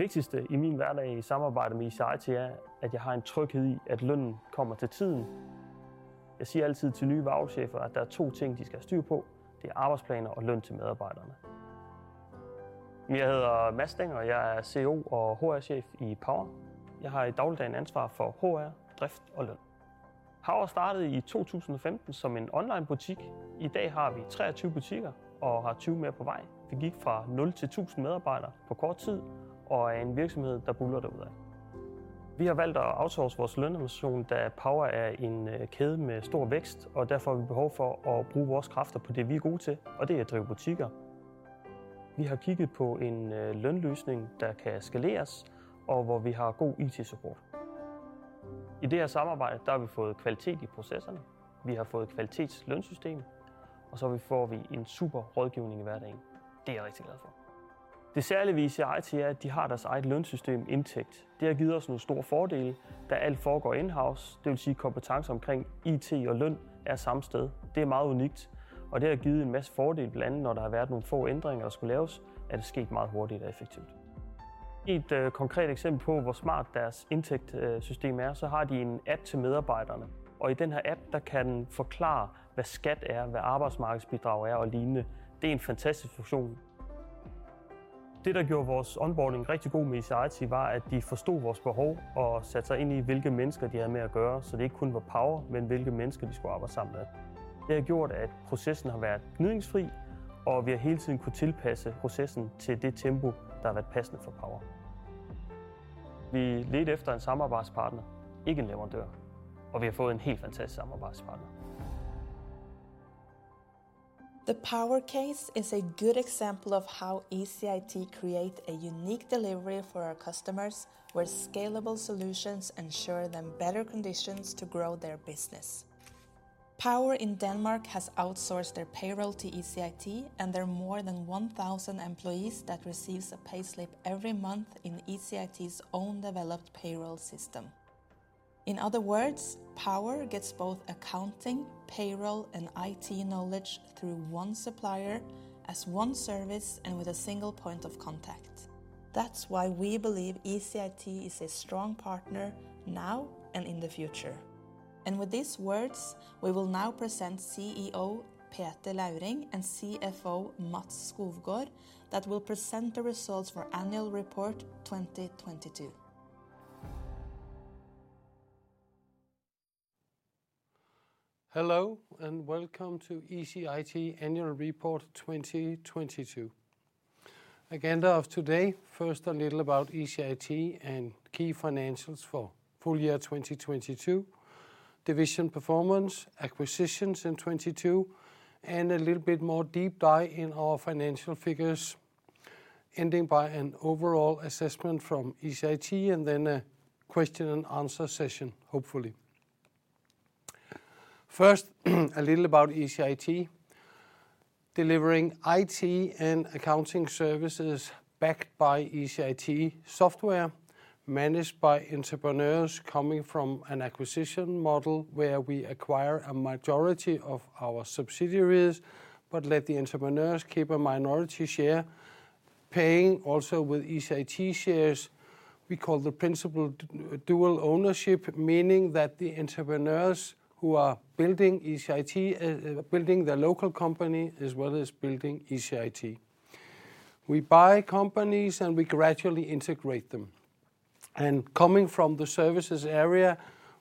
Det vigtigste i min hverdag i samarbejde med ECIT er, at jeg har en tryghed i, at lønnen kommer til tiden. Jeg siger altid til nye varechefer, at der er 2 ting, de skal have styr på. Det er arbejdsplaner og løn til medarbejderne. Jeg hedder Mads Teig, og jeg er CEO og HR-chef i Power. Jeg har i dagligdagen ansvar for HR, drift og løn. Power startede i 2015 som en onlinebutik. I dag har vi 23 butikker og har 20 mere på vej. Vi gik fra 0 til 1,000 medarbejdere på kort tid og er en virksomhed, der buldrer derudad. Vi har valgt at outsource vores lønadministration, da Power er en kæde med stor vækst, og derfor har vi behov for at bruge vores kræfter på det, vi er gode til, og det er at drive butikker. Vi har kigget på en lønløsning, der kan skaleres, og hvor vi har god IT-support. I det her samarbejde har vi fået kvalitet i processerne. Vi har fået et kvalitetslønsystem, og så får vi en super rådgivning i hverdagen. Det er jeg rigtig glad for. Det særlige ved ECIT er, at de har deres eget lønsystem, Intect. Det har givet os nogle store fordele, da alt foregår in-house. Det vil sige, at kompetence omkring IT og løn er samme sted. Det er meget unikt, og det har givet en masse fordele. Blandt andet når der har været nogle få ændringer, der skulle laves, er det sket meget hurtigt og effektivt. Et konkret eksempel på, hvor smart deres Intect-system er, så har de en app til medarbejderne, og i den her app kan den forklare, hvad skat er, hvad arbejdsmarkedsbidrag er og lignende. Det er en fantastisk funktion. Det, der gjorde vores onboarding rigtig god med ECIT, var, at de forstod vores behov og satte sig ind i, hvilke mennesker de havde med at gøre, så det ikke kun var Power, men hvilke mennesker de skulle arbejde sammen med. Det har gjort, at processen har været gnidningsfri, og vi har hele tiden kunnet tilpasse processen til det tempo, der har været passende for Power. Vi ledte efter en samarbejdspartner, ikke en leverandør, og vi har fået en helt fantastisk samarbejdspartner. The Power case is a good example of how ECIT create a unique delivery for our customers, where scalable solutions ensure them better conditions to grow their business. Power in Denmark has outsourced their payroll to ECIT, and there are more than 1,000 employees that receives a payslip every month in ECIT's own developed payroll system. In other words, Power gets both accounting, payroll and IT knowledge through one supplier as one service and with a single point of contact. That's why we believe ECIT is a strong partner now and in the future. With these words, we will now present CEO Peter Lauring and CFO Mads Skovgaard that will present the results for Annual Report 2022. Hello and welcome to ECIT Annual Report 2022. Agenda of today. First a little about ECIT and key financials for full-year 2022. Division performance, acquisitions in 2022, a little bit more deep dive in our financial figures, ending by an overall assessment from ECIT a question-and-answer session, hopefully. First, a little about ECIT. Delivering IT and accounting services backed by ECIT software managed by entrepreneurs coming from an acquisition model where we acquire a majority of our subsidiaries, but let the entrepreneurs keep a minority share, paying also with ECIT shares. We call the principle dual ownership, meaning that the entrepreneurs who are building ECIT, building their local company, as well as building ECIT. We buy companies and we gradually integrate them. Coming from the Services area,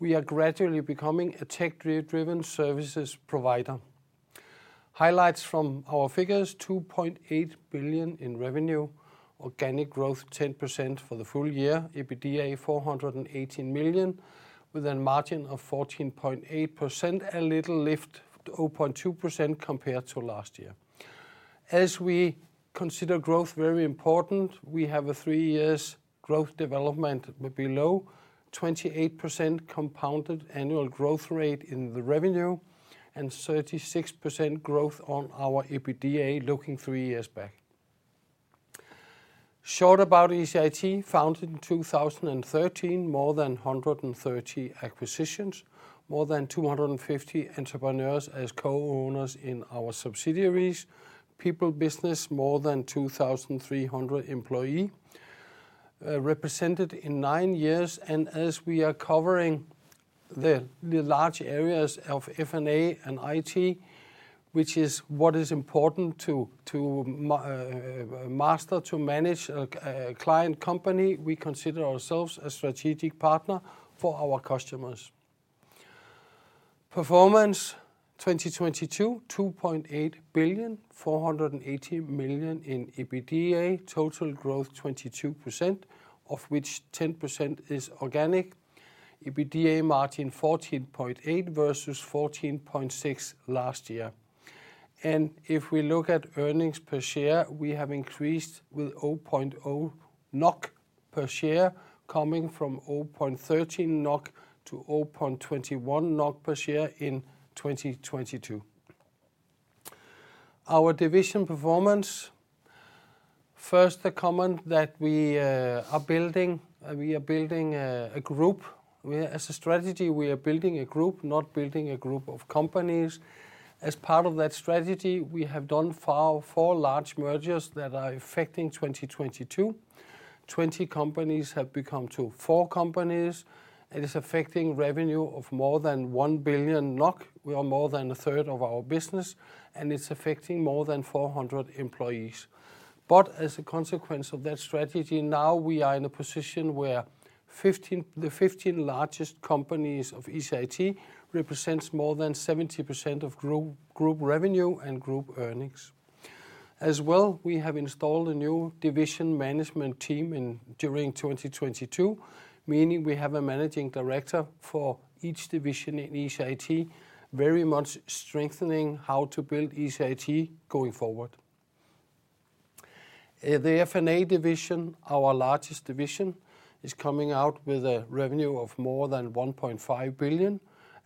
we are gradually becoming a tech driven services provider. Highlights from our figures 2.8 billion in revenue, organic growth 10% for the full-year, EBITDA 418 million with a margin of 14.8%, a little lift to 0.2% compared to last year. As we consider growth very important, we have a three years growth development below 28% compounded annual growth rate in the revenue and 36% growth on our EBITDA looking three years back. Short about ECIT, founded in 2013, more than 130 acquisitions, more than 250 entrepreneurs as co-owners in our subsidiaries. People business more than 2,300 employee represented in nine years. As we are covering the large areas of F&A and IT, which is what is important to master to manage a client company, we consider ourselves a strategic partner for our customers. Performance 2022: 2.8 billion, 480 million in EBITDA. Total growth 22%, of which 10% is organic. EBITDA margin 14.8% versus 14.6% last year. If we look at earnings per share, we have increased with 0.0 NOK per share coming from 0.13 NOK to 0.21 NOK per share in 2022. Our division performance. First, the comment that we are building, we are building a group. As a strategy, we are building a group, not building a group of companies. As part of that strategy, we have done four large mergers that are affecting 2022. 20 companies have become to four companies, and it's affecting revenue of more than 1 billion NOK. We are more than a third of our business, and it's affecting more than 400 employees. As a consequence of that strategy, now we are in a position where the 15 largest companies of ECIT represents more than 70% of group revenue and group earnings. As well, we have installed a new division management team in during 2022, meaning we have a Managing Director for each division in ECIT, very much strengthening how to build ECIT going forward. The F&A division, our largest division, is coming out with a revenue of more than 1.5 billion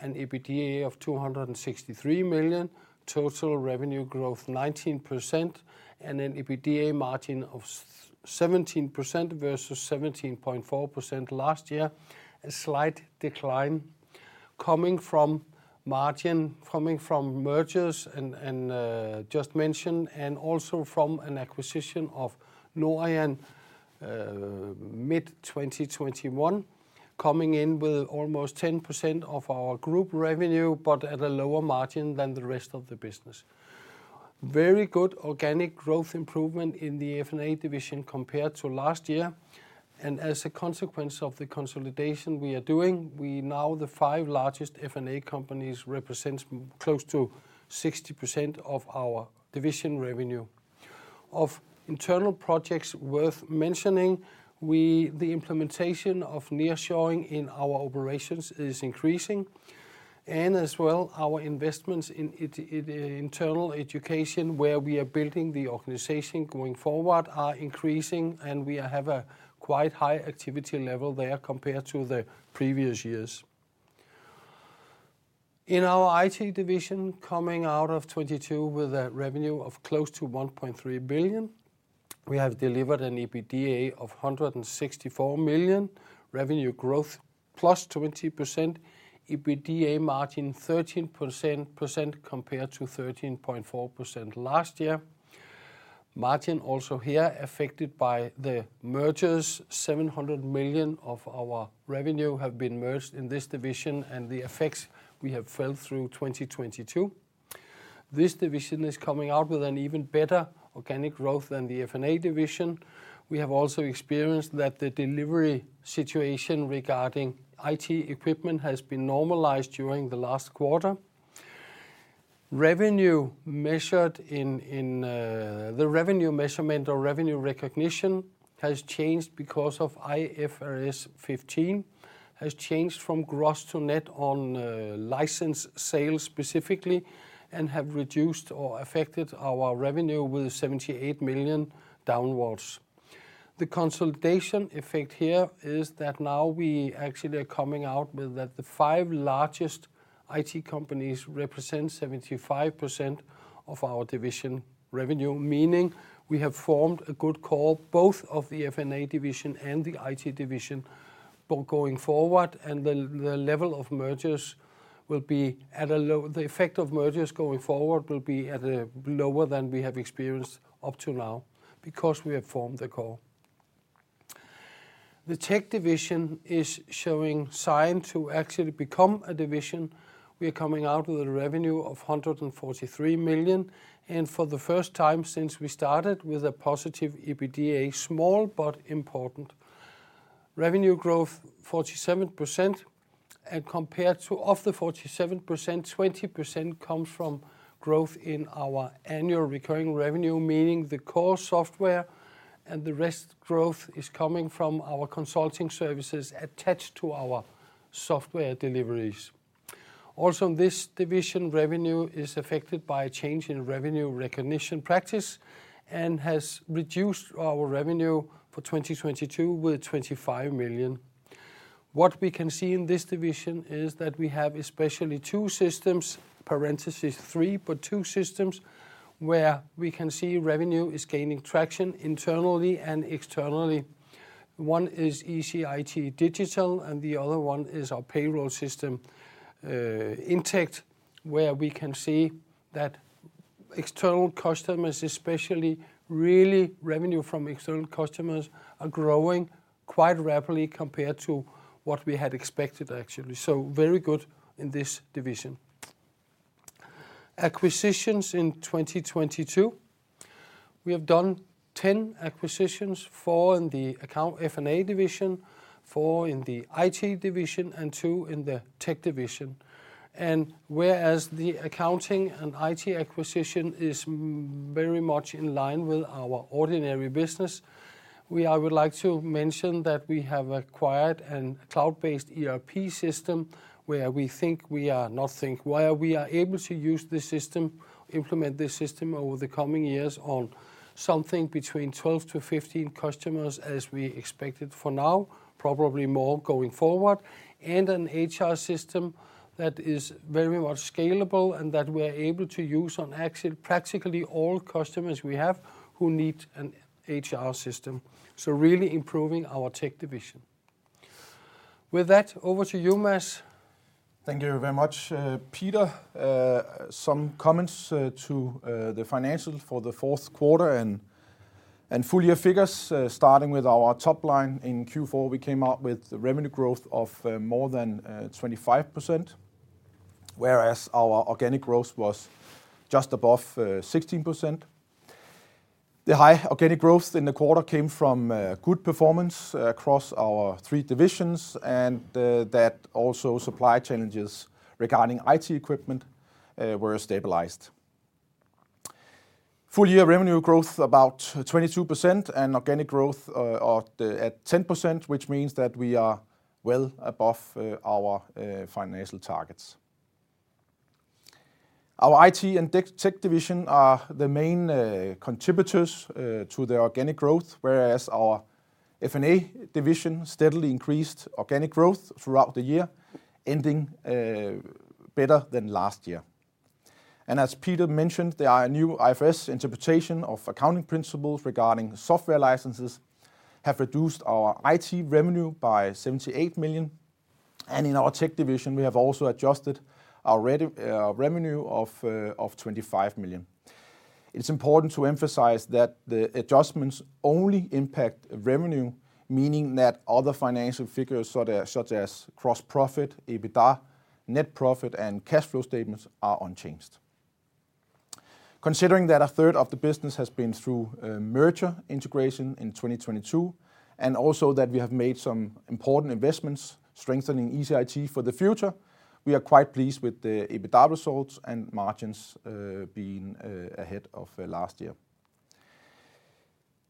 and EBITDA of 263 million. Total revenue growth 19% and an EBITDA margin of 17% versus 17.4% last year. A slight decline coming from margin, coming from mergers and just mentioned, and also from an acquisition of Norian, mid-2021, coming in with almost 10% of our group revenue, but at a lower margin than the rest of the business. Very good organic growth improvement in the F&A division compared to last year. As a consequence of the consolidation we are doing, we now the five largest F&A companies represents close to 60% of our division revenue. Of internal projects worth mentioning, the implementation of nearshoring in our operations is increasing. As well, our investments in internal education, where we are building the organization going forward, are increasing, and we have a quite high activity level there compared to the previous years. In our IT division, coming out of 2022 with a revenue of close to 1.3 billion, we have delivered an EBITDA of 164 million. Revenue growth, +20%. EBITDA margin, 13% compared to 13.4% last year. Margin also here affected by the mergers. 700 million of our revenue have been merged in this division and the effects we have felt through 2022. This division is coming out with an even better organic growth than the F&A division. We have also experienced that the delivery situation regarding IT equipment has been normalized during the last quarter. Revenue measured in the revenue measurement or revenue recognition has changed because of IFRS 15, has changed from gross to net on licensed sales specifically and have reduced or affected our revenue with 78 million downwards. The consolidation effect here is that now we actually are coming out with that the five largest IT companies represent 75% of our division revenue, meaning we have formed a good core, both of the F&A division and the IT division going forward. The effect of mergers going forward will be at a lower than we have experienced up to now because we have formed a core. The tech division is showing sign to actually become a division. We are coming out with a revenue of 143 million, and for the first time since we started, with a positive EBITDA, small but important. Revenue growth, 47%, and compared to, of the 47%, 20% comes from growth in our annual recurring revenue, meaning the core software and the rest growth is coming from our Consulting Services attached to our software deliveries. In this division, revenue is affected by a change in revenue recognition practice and has reduced our revenue for 2022 with 25 million. What we can see in this division is that we have especially two systems, parentheses three, but two systems, where we can see revenue is gaining traction internally and externally. One is ECIT Digital, and the other one is our payroll system, Intect, where we can see that external customers especially, really revenue from external customers are growing quite rapidly compared to what we had expected, actually. Very good in this division. Acquisitions in 2022. We have done 10 acquisitions, four in the account F&A division, four in the IT division, and two in the tech division. Whereas the accounting and IT acquisition is very much in line with our ordinary business, I would like to mention that we have acquired an cloud-based ERP system where we are able to use the system, implement this system over the coming years on something between 12-15 customers, as we expected for now, probably more going forward, and an HR system that is very much scalable and that we're able to use on practically all customers we have who need an HR system. Really improving our Tech division. With that, over to you, Mads. Thank you very much, Peter. Some comments to the financials for the fourth quarter and full-year figures, starting with our top line in Q4. We came out with revenue growth of more than 25%, whereas our organic growth was just above 16%. The high organic growth in the quarter came from good performance across our three divisions and that also supply challenges regarding IT equipment were stabilized. Full-year revenue growth about 22% and organic growth at 10%, which means that we are well above our financial targets. Our IT and Tech division are the main contributors to the organic growth, whereas our F&A division steadily increased organic growth throughout the year, ending better than last year. As Peter mentioned, there are new IFRS interpretation of accounting principles regarding software licenses have reduced our IT revenue by 78 million. In our tech division, we have also adjusted our revenue of 25 million. It's important to emphasize that the adjustments only impact revenue, meaning that other financial figures, such as gross profit, EBITDA, net profit, and cash flow statements are unchanged. Considering that a third of the business has been through a merger integration in 2022, and also that we have made some important investments strengthening ECIT for the future, we are quite pleased with the EBITDA results and margins, being ahead of last year.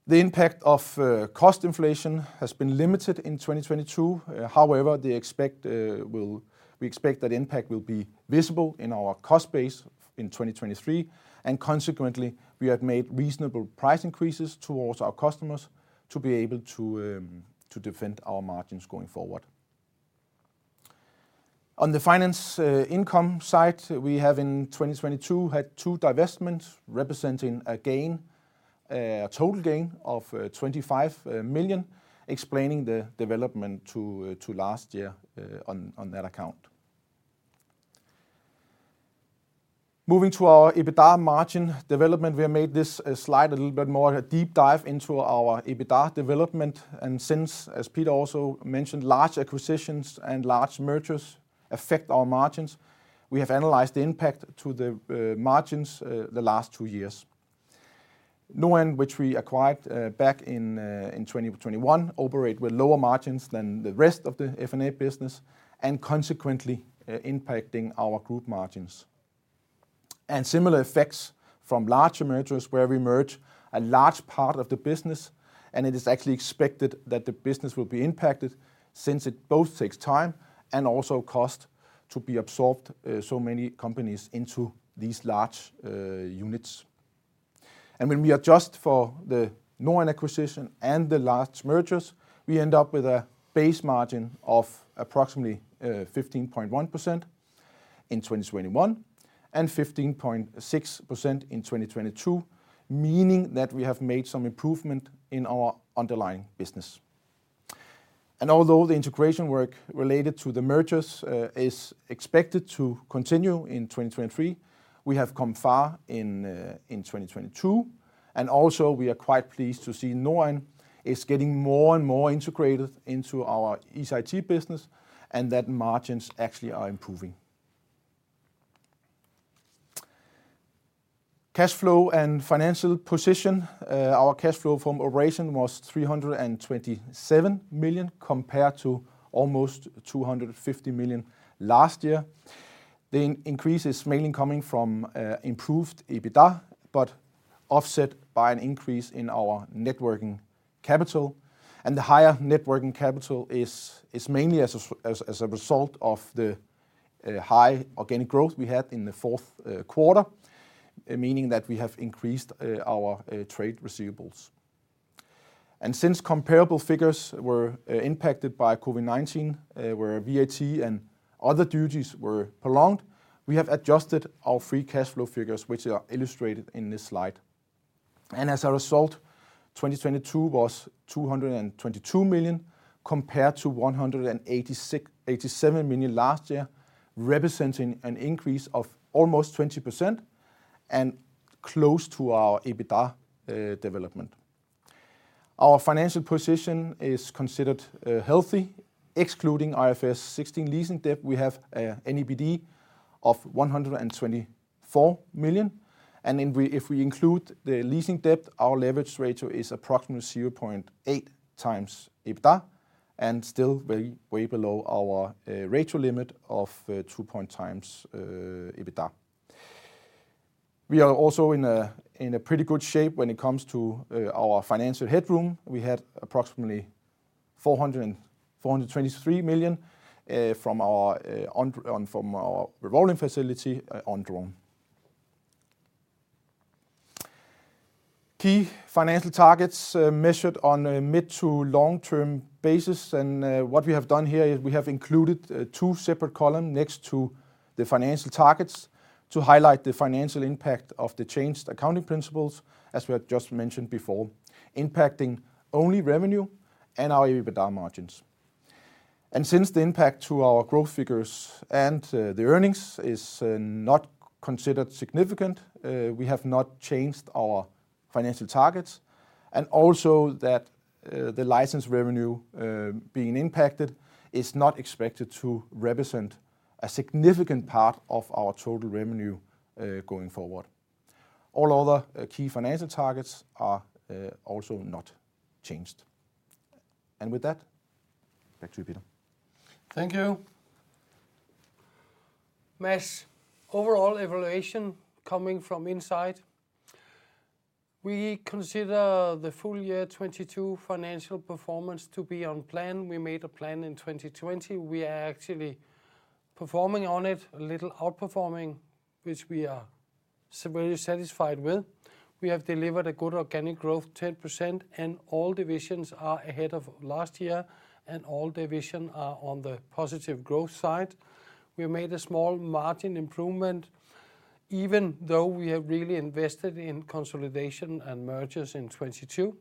The impact of cost inflation has been limited in 2022. However, we expect that impact will be visible in our cost base in 2023, consequently, we have made reasonable price increases towards our customers to be able to defend our margins going forward. On the finance income side, we have in 2022 had two divestments representing a gain, a total gain of 25 million, explaining the development to last year on that account. Moving to our EBITDA margin development, we have made this slide a little bit more a deep dive into our EBITDA development. Since, as Peter also mentioned, large acquisitions and large mergers affect our margins, we have analyzed the impact to the margins the last two years. Norian, which we acquired back in 2021, operate with lower margins than the rest of the F&A business and consequently impacting our group margins. Similar effects from larger mergers where we merge a large part of the business, and it is actually expected that the business will be impacted since it both takes time and also cost to be absorbed so many companies into these large units. When we adjust for the Norian acquisition and the large mergers, we end up with a base margin of approximately 15.1% in 2021 and 15.6% in 2022, meaning that we have made some improvement in our underlying business. Although the integration work related to the mergers is expected to continue in 2023, we have come far in 2022. Also we are quite pleased to see Norian is getting more and more integrated into our ECIT business and that margins actually are improving. Cash flow and financial position. Our cash flow from operation was 327 million compared to almost 250 million last year. The increase is mainly coming from improved EBITDA, offset by an increase in our net working capital. The higher net working capital is mainly as a result of the high organic growth we had in the fourth quarter, meaning that we have increased our trade receivables. Since comparable figures were impacted by COVID-19, where VAT and other duties were prolonged, we have adjusted our free cash flow figures, which are illustrated in this slide. As a result, 2022 was 222 million compared to 187 million last year, representing an increase of almost 20% and close to our EBITDA development. Our financial position is considered healthy. Excluding IFRS 16 leasing debt, we have NIBD of 124 million. If we include the leasing debt, our leverage ratio is approximately 0.8x EBITDA and still very way below our ratio limit of 2.0x EBITDA. We are also in a pretty good shape when it comes to our financial headroom. We had approximately 423 million from our revolving facility undrawn. Key financial targets measured on a mid to long-term basis. What we have done here is we have included two separate column next to the financial targets to highlight the financial impact of the changed accounting principles, as we have just mentioned before, impacting only revenue and our EBITDA margins. Since the impact to our growth figures and the earnings is not considered significant, we have not changed our financial targets. Also that the license revenue being impacted is not expected to represent a significant part of our total revenue going forward. All other key financial targets are also not changed. With that, back to you, Peter. Thank you. Mads, overall evaluation coming from inside, we consider the full-year 2022 financial performance to be on plan. We made a plan in 2020. We are actually performing on it, a little outperforming, which we are very satisfied with. We have delivered a good organic growth, 10%. All divisions are ahead of last year. All division are on the positive growth side. We made a small margin improvement even though we have really invested in consolidation and mergers in 2022.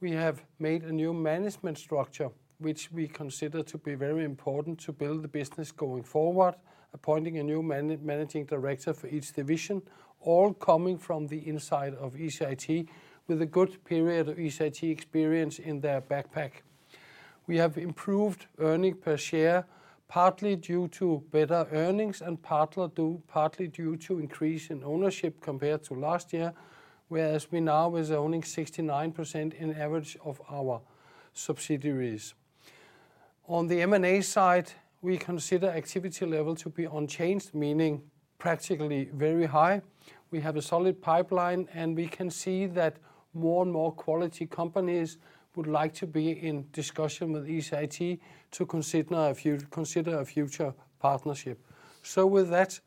We have made a new management structure which we consider to be very important to build the business going forward, appointing a new managing director for each division, all coming from the inside of ECIT with a good period of ECIT experience in their backpack. We have improved earning per share, partly due to better earnings and partly due to increase in ownership compared to last year, whereas we now is owning 69% in average of our subsidiaries. On the M&A side, we consider activity level to be unchanged, meaning practically very high. We have a solid pipeline. We can see that more and more quality companies would like to be in discussion with ECIT to consider a future partnership. With that,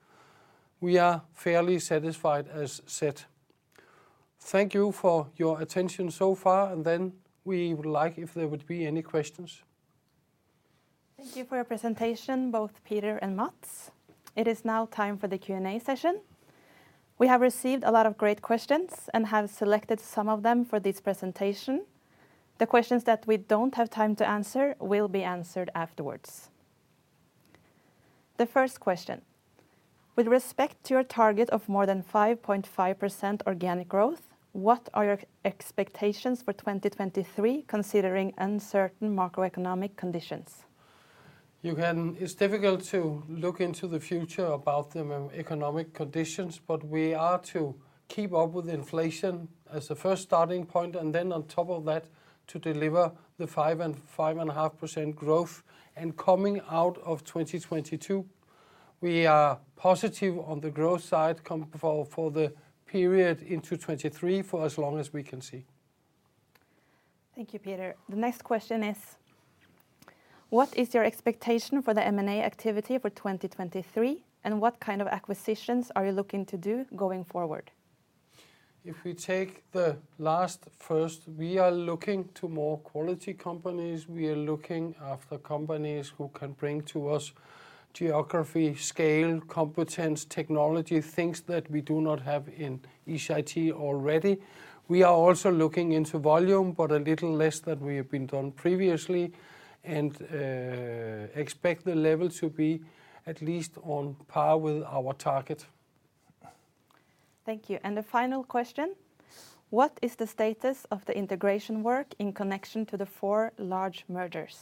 we are fairly satisfied, as said. Thank you for your attention so far. We would like if there would be any questions. Thank you for your presentation, both Peter and Mads. It is now time for the Q&A session. We have received a lot of great questions and have selected some of them for this presentation. The questions that we don't have time to answer will be answered afterwards. The first question: With respect to your target of more than 5.5% organic growth, what are your expectations for 2023, considering uncertain macroeconomic conditions? It's difficult to look into the future about the macroeconomic conditions, but we are to keep up with inflation as a first starting point and then on top of that to deliver the 5.5% growth. Coming out of 2022, we are positive on the growth side for the period into 2023 for as long as we can see. Thank you, Peter. The next question is: What is your expectation for the M&A activity for 2023, and what kind of acquisitions are you looking to do going forward? If we take the last first, we are looking to more quality companies. We are looking after companies who can bring to us geography, scale, competence, technology, things that we do not have in ECIT already. We are also looking into volume, but a little less than we have been done previously, and expect the level to be at least on par with our target. Thank you. The final question: What is the status of the integration work in connection to the four large mergers?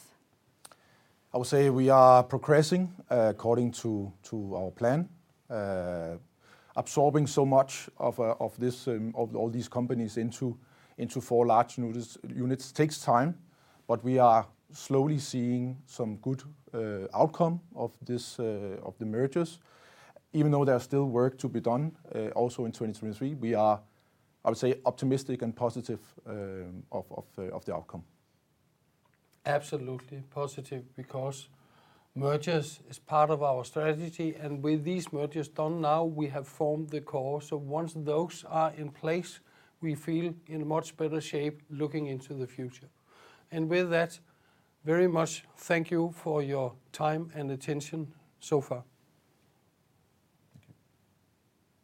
I would say we are progressing according to our plan. Absorbing so much of this of all these companies into four large units takes time. We are slowly seeing some good outcome of this of the mergers. Even though there are still work to be done also in 2023, we are, I would say, optimistic and positive of the outcome. Absolutely positive because mergers is part of our strategy, and with these mergers done now, we have formed the core. Once those are in place, we feel in much better shape looking into the future. With that, very much thank you for your time and attention so far.